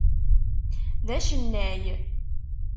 D acennay.